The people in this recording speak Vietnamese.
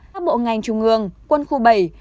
các bộ ngành trung ương quân khu bảy